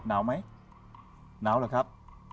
หนาวไหมหนาวหรือครับ